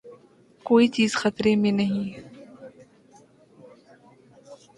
کوئی چیز خطرے میں نہیں۔